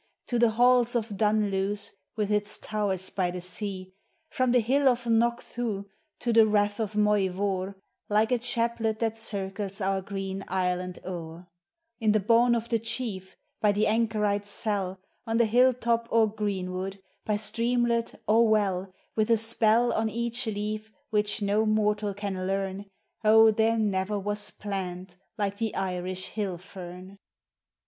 265 To the halls of Duiiluce, with its towers by the sea, Prom the hill of Knockthu to the rath of Moyvore, Like a chaplet that circles our green island o'er, In the bawn of the chief, by the anchorite's cell, On the hill top or greenwood, ■ by streamlet or well, With a spell on each leaf which do mortal can learn, Oh, there never was plant like the Irish hill fern